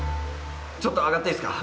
ちょっと上がっていいですか？